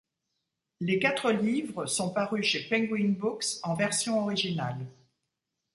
Les quatre livres sont parus chez Penguin Books en version originale.